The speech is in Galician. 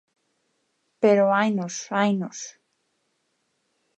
Pero hainos, hainos.